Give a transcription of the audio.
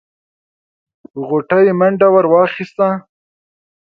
غوټۍ منډه ور واخيسته.